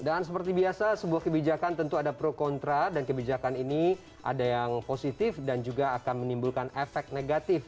dan seperti biasa sebuah kebijakan tentu ada pro kontra dan kebijakan ini ada yang positif dan juga akan menimbulkan efek negatif